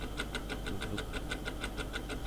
evek